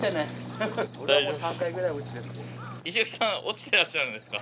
石垣さん落ちてらっしゃるんですか。